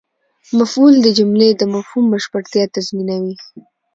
مفعول د جملې د مفهوم بشپړتیا تضمینوي.